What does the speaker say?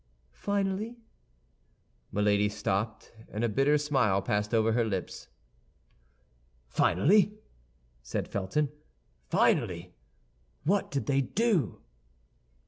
Finally—" Milady stopped, and a bitter smile passed over her lips. "Finally," said Felton, "finally, what did they do?"